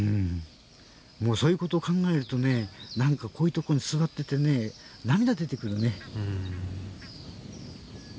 そういうことを考えるとねなんかこういうところに座ってて涙が出てくるね。